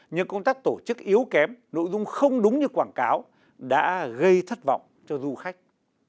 nhưng công tác tổ chức yếu kém nội dung không đúng như quảng cáo đã gây thất vọng cho du khách